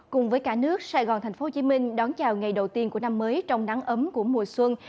cùng với cả nước sài gòn thành phố hồ chí minh đón chào ngày đầu tiên của năm mới trong nắng ấm của mùa xuân